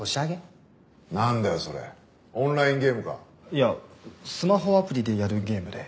いやスマホアプリでやるゲームで。